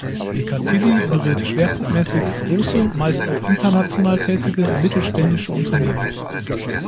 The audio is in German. Baker Tilly berät schwerpunktmäßig große, meist auch international tätige mittelständische Unternehmen.